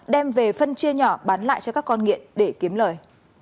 đem về phân chia nhỏ bán lại cho các con nghiện để kiếm lời